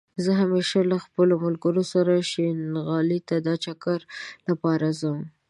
زه همېشه له خپلو ملګرو سره شينغالى ته دا چکر لپاره ځم